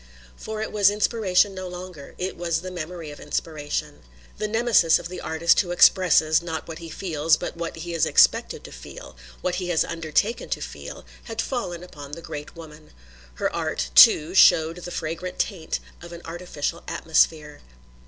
For it was inspiration no longer; it was the memory of inspiration. The Nemesis of the artist who expresses, not what he feels, but what he is expected to feel, what he has undertaken to feel, had fallen upon the great woman. Her art, too, showed the fragrant taint of an artificial atmosphere.